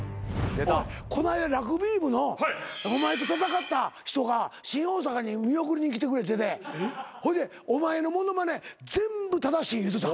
こないだラグビー部のお前と戦った人が新大阪に見送りに来てくれててほいでお前の物まね全部正しい言うてた。